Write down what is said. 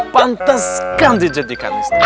pantes kan dijadikan istri